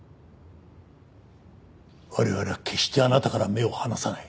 我々は決してあなたから目を離さない。